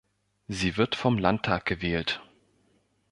Sie wird vom Landtag gewählt.